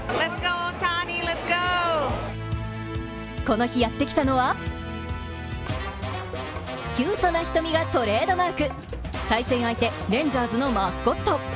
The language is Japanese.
この日やってきたのはキュートな瞳がトレードマーク、対戦相手、レンジャーズのマスコット。